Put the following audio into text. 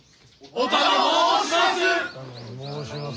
お頼申します。